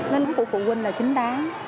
nên phụ huynh là chính đáng